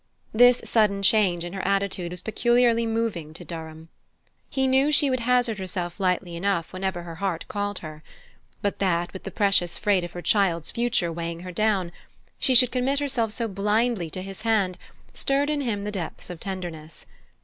This sudden change in her attitude was peculiarly moving to Durham. He knew she would hazard herself lightly enough wherever her heart called her; but that, with the precious freight of her child's future weighing her down, she should commit herself so blindly to his hand stirred in him the depths of tenderness.